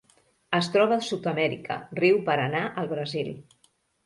Es troba a Sud-amèrica: riu Paranà al Brasil.